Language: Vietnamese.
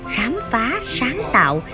khám phá sáng tạo